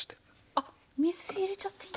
あっ水入れちゃっていい。